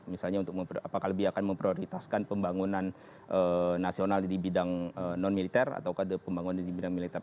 misalnya untuk apakah lebih akan memprioritaskan pembangunan nasional di bidang non militer atau pembangunan di bidang militer